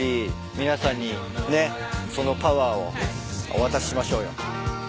皆さんにそのパワーをお渡ししましょうよ。